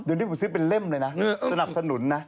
เดี๋ยวนี้ผมซื้อเป็นเล่มเลยนะสนับสนุนนะ